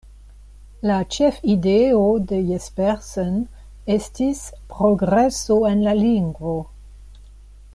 La ĉefideo de Jespersen estis progreso en la lingvo.